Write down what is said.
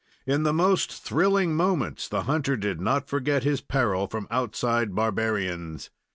In the most thrilling moments the hunter did not forget his peril from outside barbarians.